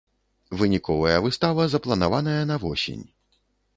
Выніковая выстава запланаваная на восень.